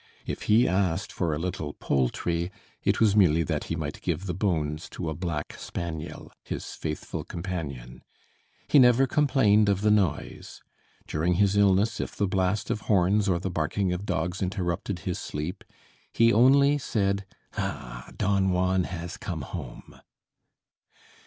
If he asked for a little poultry it was merely that he might give the bones to a black spaniel, his faithful companion. He never complained of the noise. During his illness if the blast of horns or the barking of dogs interrupted his sleep, he only said: "Ah, Don Juan has come home."